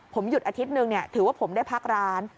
ผมหยุดอาทิตย์นึงถือว่าผมได้พักร้าน